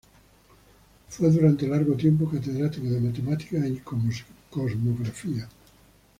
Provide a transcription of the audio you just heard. Fue durante largo tiempo catedrático de matemáticas y cosmografía.